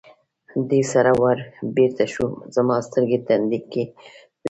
دې سره ور بېرته شو، زما سترګې تندې کې وې.